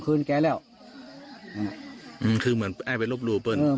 คุณแกแล้วหืมคือเหมือนไปรพ่อดูมันมาเอาผมหลุบโลโก้แรอะแล้ว